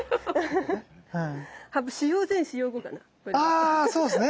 あそうすね。